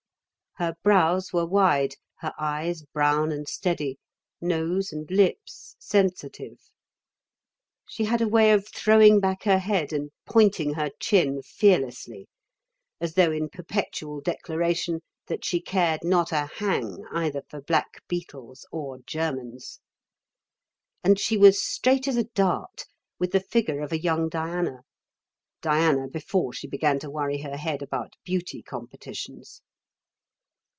Her brows were wide, her eyes brown and steady, nose and lips sensitive. She had a way of throwing back her head and pointing her chin fearlessly, as though in perpetual declaration that she cared not a hang either for black beetles or Germans. And she was straight as a dart, with the figure of a young Diana Diana before she began to worry her head about beauty competitions.